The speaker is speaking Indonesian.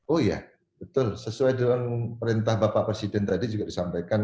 oh iya betul sesuai dengan perintah bapak presiden tadi juga disampaikan